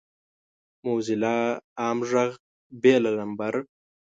موزیلا عام غږ بې له نمبر